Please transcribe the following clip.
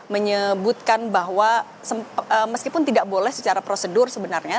menyebutkan bahwa meskipun tidak boleh secara prosedur sebenarnya